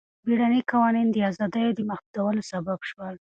بیړني قوانین د ازادیو د محدودولو سبب شول.